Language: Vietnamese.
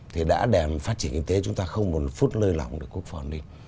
thì đã để phát triển kinh tế chúng ta không một phút lơi lỏng được quốc phòng đi